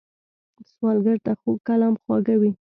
سوالګر ته خوږ کلام خواږه وي